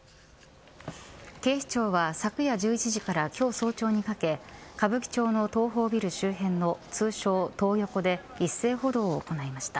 警視庁は昨夜１１時から今日早朝にかけ歌舞伎町の東宝ビル周辺の通称、トー横で一斉補導を行いました。